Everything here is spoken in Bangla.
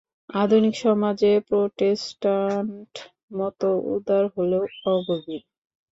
আধুনিক সমাজে প্রোটেষ্টাণ্ট মত উদার হলেও অগভীর।